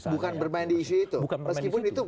bukan bermain di isu itu meskipun itu